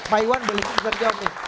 pak iwan beli super job nih